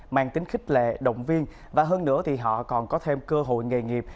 mang tính khích lệ động viên và hơn nữa thì họ còn có thêm cơ hội nghề nghiệp